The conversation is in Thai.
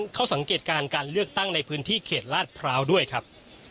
เข้าสังเกตการณ์การเลือกตั้งในพื้นที่เขตลาดพร้าวด้วยครับ